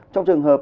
trong trường hợp